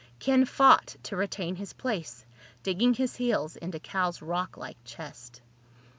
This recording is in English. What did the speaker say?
Ken fought to retain his place, digging his heels into Cal's rocklike chest.